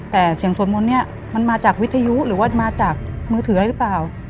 แต่เสียงสวดมนต์เนี่ยมันมาจากวิทยุหรือว่ามาจากมือถืออะไรหรือเปล่า